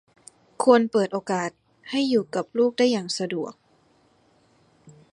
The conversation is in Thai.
ควรเปิดโอกาสให้อยู่กับลูกได้อย่างสะดวก